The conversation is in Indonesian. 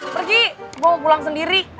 pergi mau pulang sendiri